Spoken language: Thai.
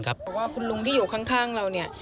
ครับว่าผมลงดีอยู่ข้างข้างเราเนี่ย